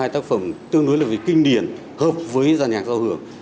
hai tác phẩm tương đối với kinh điển hợp với giàn nhạc giao hưởng